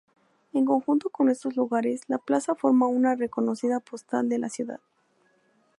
En conjunto con estos lugares, la plaza forma una reconocida postal de la ciudad.